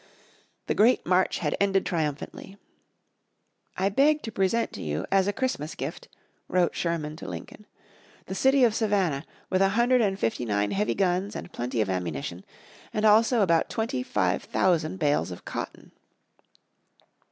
The great march had ended triumphantly on December 21. "I beg to present to you, as a Christmas gift," wrote Sherman to Lincoln, "the city of Savannah with a hundred and fifty nine heavy guns and plenty of ammunition, and also about twenty five thousand bales of cotton."